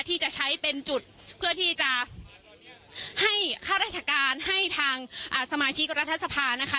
ที่จะใช้เป็นจุดเพื่อที่จะให้ข้าราชการให้ทางสมาชิกรัฐสภานะคะ